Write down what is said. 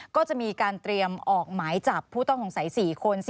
ก็จะมีการเตรียมออกหมายจับผู้ต้องสงสัย๔คน